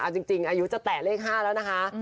เอาจริงอายุจะแตะเลข๕แล้วนะคะ